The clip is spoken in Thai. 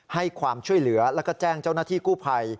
ให้ความช่วยเหลือแล้วก็แจ้งเจ้าหน้าที่กู้ภัย